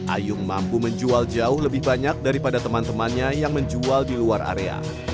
ayung mampu menjual jauh lebih banyak daripada teman temannya yang menjual di luar area